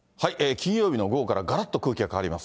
金曜日の午後からがらっと空気が変わります。